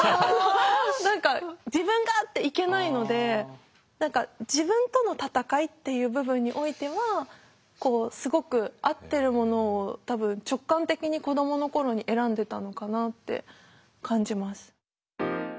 何か「自分が」っていけないので何か自分との戦いっていう部分においてはこうすごく合ってるものを多分直感的に子どもの頃に選んでたのかなって感じます。